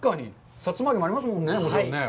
さつま揚げもありますもんね。